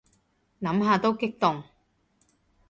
諗下都激動